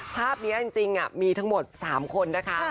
ภาพนี้จริงมีทั้งหมด๓คนนะคะ